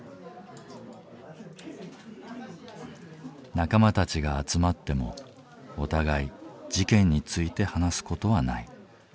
仲間たちが集まってもお互い事件について話す事はない。